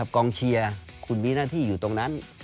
กองเชียร์คุณมีหน้าที่อยู่ตรงนั้น